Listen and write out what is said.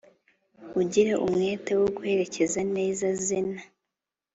Ugire n’umwete wo guherekeza neza Zena